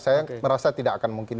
saya merasa tidak akan mungkin